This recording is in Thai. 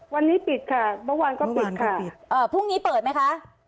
วันนี้ปิดค่ะเมื่อวานก็ปิดค่ะเอ่อพรุ่งนี้เปิดไหมคะ